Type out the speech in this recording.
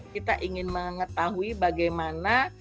kita ingin mengetahui bagaimana